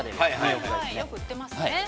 ◆よく売ってますね。